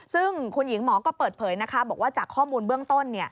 ซึ่งคุณหญิงหมอก็เปิดเผยนะคะบอกว่าจากข้อมูลเบื้องต้น